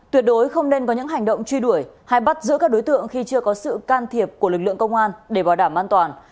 tuyệt đối không nên có những hành động truy đuổi hay bắt giữ các đối tượng khi chưa có sự can thiệp của lực lượng công an để bảo đảm an toàn